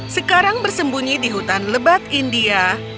sekarang bersembunyi di hutan lebat india